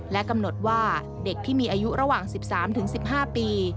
และกำหนดว่าเด็กที่มีอายุระหว่าง๑๓๑๕ปี